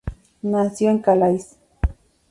Nació en Calais.